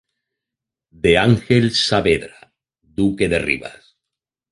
De Ángel Saavedra, duque de Rivas.